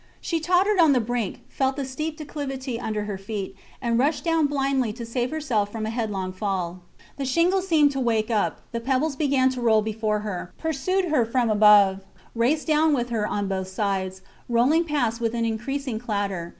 She tottered on the brink, felt the steep declivity under her feet, and rushed down blindly to save herself from a headlong fall. The shingle seemed to wake up; the pebbles began to roll before her, pursued her from above, raced down with her on both sides, rolling past with an increasing clatter.